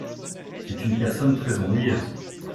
C'est une personne très ennuyeuse.